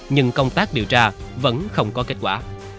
nhưng công tác điều tra vẫn không có kết quả